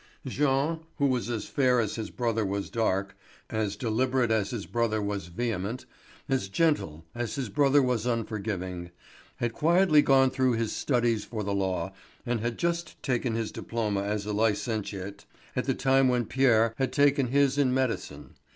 Jean, who was as fair as his brother was dark, as deliberate as his brother was vehement, as gentle as his brother was unforgiving, had quietly gone through his studies for the law and had just taken his diploma as a licentiate, at the time when Pierre had taken his in medicine.